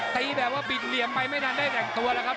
แบบว่าบิดเหลี่ยมไปไม่ทันได้แต่งตัวแล้วครับ